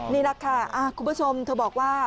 นี่แหละค่ะคุณผู้ชมเธอบอกว่า